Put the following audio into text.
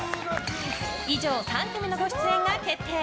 以上、３組のご出演が決定。